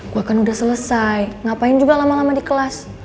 bahkan udah selesai ngapain juga lama lama di kelas